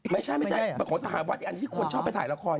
มันของสหวัดอีกอันที่คนชอบทายละคร